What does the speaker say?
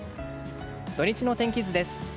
土日の天気図です。